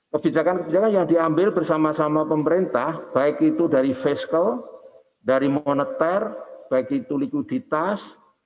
kebijakan kebijakan yang diambil bersama sama pemerintah baik itu dari fiskal dari moneter baik itu likuiditas